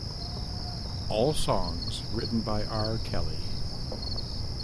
All songs written by R. Kelly.